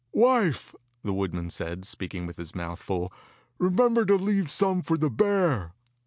"Wife," the woodman said, speaking with his mouth full, "remember to leave some for the bear."